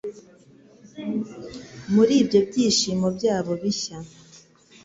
Muri ibyo byishimo byabo bishya